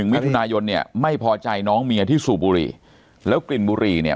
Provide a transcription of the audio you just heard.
มิถุนายนเนี่ยไม่พอใจน้องเมียที่สูบบุหรี่แล้วกลิ่นบุหรี่เนี่ย